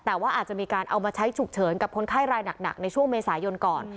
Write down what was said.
แต่ว่าอาจจะมีการเอามาใช้ฉุกเฉินกับคนไข้รายหนักในช่วงเมษายนก่อน